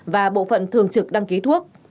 và bộ phận thường trực đăng ký thuốc